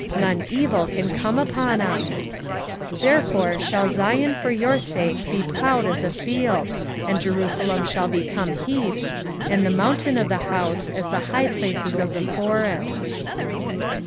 none evil can come upon us. 3:12 Therefore shall Zion for your sake be plowed as a field, and Jerusalem shall become heaps, and the mountain of the house as the high places of the forest.